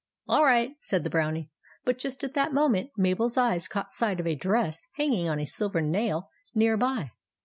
"All right," said the Brownie; but just at that moment Mabel's eyes caught sight of a dress hanging on a silver nail near by.